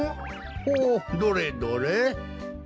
ほうどれどれ？